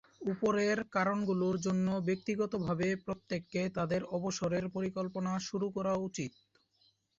উপরের কারণগুলোর জন্য ব্যক্তিগতভাবে প্রত্যেককে তাদের অবসরের পরিকল্পনা শুরু করা উচিত।